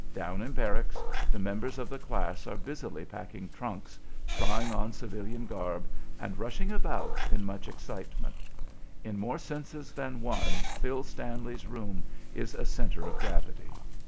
Down in barracks the members of the class are busily packing trunks, trying on civilian garb, and rushing about in much excitement. In more senses than one Phil Stanley's room is a centre of gravity.